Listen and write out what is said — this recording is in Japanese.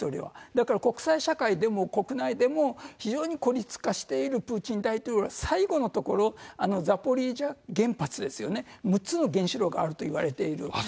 だから国際社会でも国内でも、非常に孤立化しているプーチン大統領は最後の所、ザポリージャ原発ですよね、６つの原子炉があるといわれている。